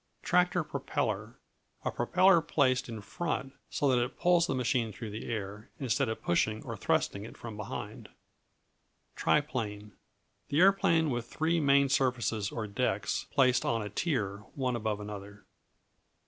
Tractor Propeller A propeller placed in front, so that it pulls the machine through the air, instead of pushing, or thrusting, it from behind. Triplane An aeroplane with three main surfaces, or decks, placed in a tier, one above another.